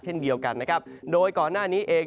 เช่นเดียวกันนะครับโดยก่อนหน้านี้เอง